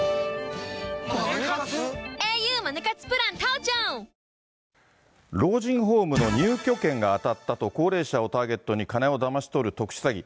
「ＷＩＤＥＪＥＴ」老人ホームの入居権が当たったと、高齢者をターゲットに金をだまし取る特殊詐欺。